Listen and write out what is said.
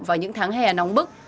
vào những tháng hè nóng bức